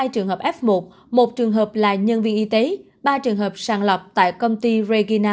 ba mươi hai trường hợp f một một trường hợp là nhân viên y tế ba trường hợp sàng lọc tại công ty regina một